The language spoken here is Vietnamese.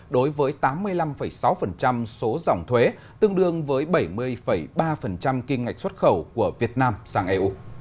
đối với tám mươi năm sáu số dòng thuế tương đương với bảy mươi ba kim ngạch xuất khẩu của việt nam sang eu